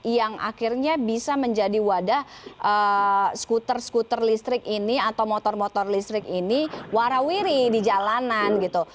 yang akhirnya bisa menjadi wadah skuter skuter listrik ini atau motor motor listrik ini warawiri di jalanan gitu